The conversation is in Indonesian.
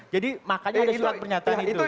jadi makanya ada surat pernyataan itu